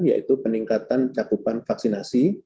yaitu peningkatan cakupan vaksinasi